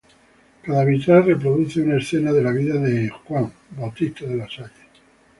Cada Vitral reproduce una escena de la vida de Juan Bautista De La Salle.